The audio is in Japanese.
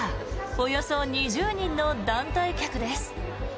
およそ２０人の団体客です。